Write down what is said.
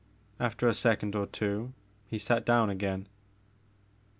After a second or two he sat down again.